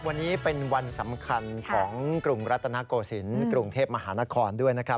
วันนี้เป็นวันสำคัญของกรุงรัตนโกศิลป์กรุงเทพมหานครด้วยนะครับ